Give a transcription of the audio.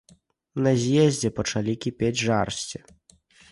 На з'ездзе пачалі кіпець жарсці.